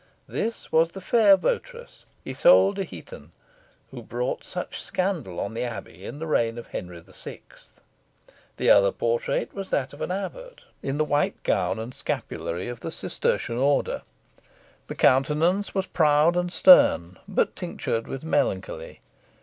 This was the fair votaress, Isole de Heton, who brought such scandal on the Abbey in the reign of Henry VI. The other portrait was that of an abbot, in the white gown and scapulary of the Cistertian order. The countenance was proud and stern, but tinctured with melancholy.